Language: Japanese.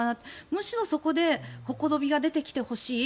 むしろそこでほころびが出てきてほしい。